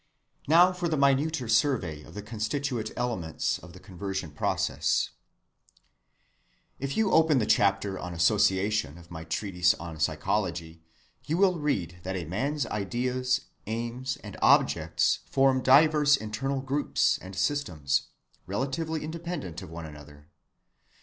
Now for a minuter survey of the constituent elements of the conversion process. ‐‐‐‐‐‐‐‐‐‐‐‐‐‐‐‐‐‐‐‐‐‐‐‐‐‐‐‐‐‐‐‐‐‐‐‐‐ If you open the chapter on Association, of any treatise on Psychology, you will read that a man's ideas, aims, and objects form diverse internal groups and systems, relatively independent of one another.